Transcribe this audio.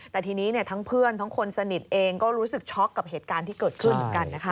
แต่ทีนี้ทั้งเพื่อนทั้งคนสนิทเองก็รู้สึกช็อกกับเหตุการณ์ที่เกิดขึ้นเหมือนกันนะคะ